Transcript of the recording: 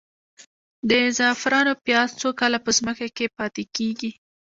د زعفرانو پیاز څو کاله په ځمکه کې پاتې کیږي؟